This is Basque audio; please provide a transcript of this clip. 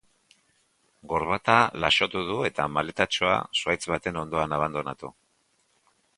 Gorbata laxotu du eta maletatxoa zuhaitz baten ondoan abandonatu.